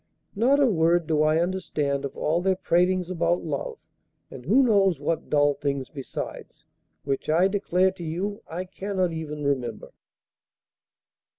Not a word do I understand of all their pratings about love, and who knows what dull things besides, which, I declare to you, I cannot even remember.